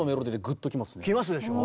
きますでしょ。